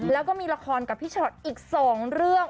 แล้วก็มีละครกับพี่ช็อตอีก๒เรื่อง